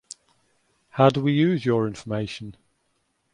How do we use your information?